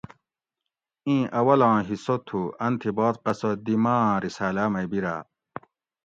اِیں اول آں حصہ تھُو ان تھی باد قصہ دی ماۤ آۤں رِساۤلاۤ مئ بیراۤ